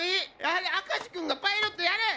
やはり明石君がパイロットやれ！